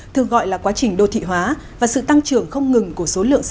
thường gọi là quá trình đô thị hóa và sự tăng trưởng không ngừng của số lượng xe cơ giới trong đô thị